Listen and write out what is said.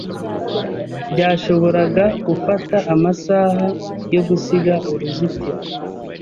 Byashoboraga gufata amasaha yo gusiga uruzitiro.